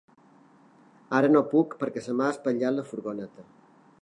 Ara no puc perquè se m'ha espatllat la furgoneta.